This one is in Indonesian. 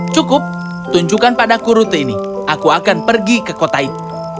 cukup tunjukkan padaku rute ini aku akan pergi ke kota itu